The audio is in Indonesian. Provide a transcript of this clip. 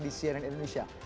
di cnn indonesia